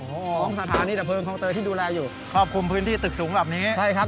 ของสถานีดับเพลิงคลองเตยที่ดูแลอยู่ครอบคลุมพื้นที่ตึกสูงแบบนี้ใช่ครับ